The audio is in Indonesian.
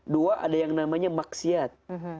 dua ada yang namanya maksiat